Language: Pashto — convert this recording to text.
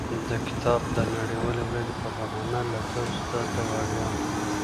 د کتاب د نړیوالې ورځې په بهانه له تاسو ته د وړیا.